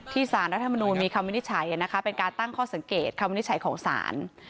สารรัฐมนูลมีคำวินิจฉัยเป็นการตั้งข้อสังเกตคำวินิจฉัยของศาล